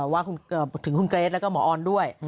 ว่าถึงคุณเกรทแล้วก็หมอออนด้วย